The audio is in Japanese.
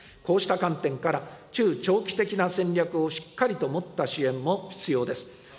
こうした観点から、中長期的な戦略をしっかりと持った支援も必要です。